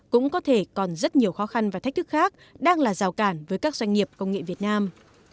cũng có thể còn rất nhiều khó khăn và thách thức khác đang là rào cản với các doanh nghiệp công nghệ việt nam